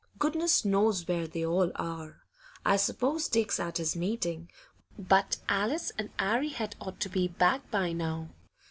'Goodness knows where they all are. I s'pose Dick's at his meeting; but Alice and 'Arry had ought to be back by now.